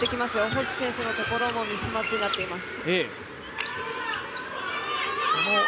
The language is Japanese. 星選手のところもミスマッチになっています。